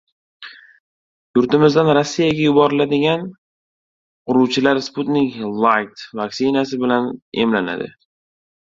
Yurtimizdan Rossiyaga yuboriladigan quruvchilar Sputnik Light vaksinasi bilan emlanadi